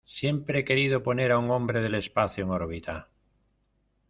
Siempre he querido poner a un hombre del espacio en órbita.